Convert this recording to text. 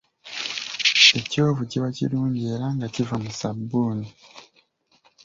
Ekyovu kiba kirungi era nga kiva mu ssabbuuni.